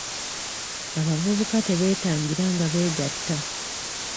Abavubuka tebeetangira nga beegatta.